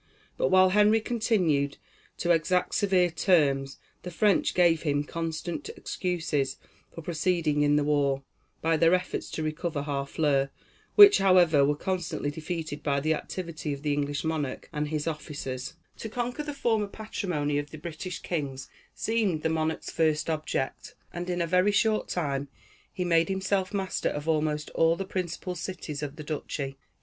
But while Henry continued to exact severe terms, the French gave him constant excuses for proceeding in the war, by their efforts to recover Harfleur, which, however, were constantly defeated by the activity of the English monarch and his officers. [Illustration: Henry V. rejects Falstaff.] To conquer the former patrimony of the British kings seemed the monarch's first object, and in a very short time he made himself master of almost all the principal cities of the duchy.